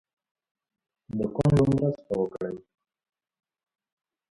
د کونډو مرسته وکړئ.